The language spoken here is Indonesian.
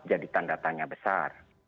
jadi tanda tanya besar